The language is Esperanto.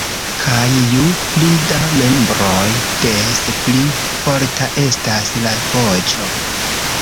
Kaj ju pli da membroj des pli forta estas la voĉo.